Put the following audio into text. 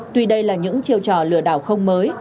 tuy đây là những chiêu trò lừa đảo không mới